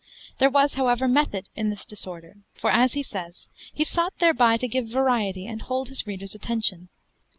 There was, however, method in this disorder; for as he says, he sought thereby to give variety and hold his reader's attention.